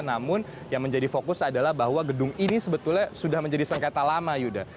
namun yang menjadi fokus adalah bahwa gedung ini sebetulnya sudah menjadi sengketa lama yuda